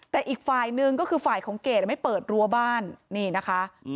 แต่อีกฝ่ายหนึ่งก็คือฝ่ายของเกรดไม่เปิดรั้วบ้านนี่นะคะ